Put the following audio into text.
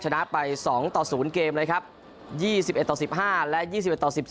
ชนะไป๒ต่อ๐เกมเลยครับ๒๑ต่อ๑๕และ๒๑ต่อ๑๒